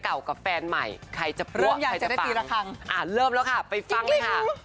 คือเขามาสำให้เขาอะไร